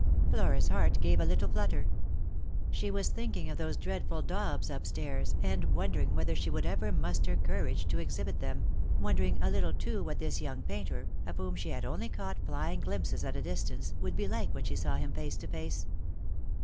Flora's heart gave a little flutter. She was thinking of those creadful daubs up stairs, and wondering whether she would ever muster courage to exhibit them — wondering a little too what this young painter, of whom she had only caught flying glimpses at a distance, would be like when she saw him face to face.